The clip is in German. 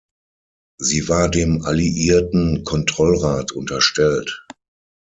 Sie war dem Alliierten Kontrollrat unterstellt.